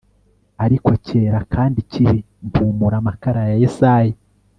Ariko cyera kandi kibi mpumura amakara ya Yesaya